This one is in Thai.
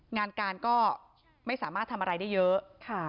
งานการก็ไม่สามารถทำอะไรได้เยอะ